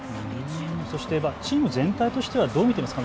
そしてチーム全体としてはどう見ていますか？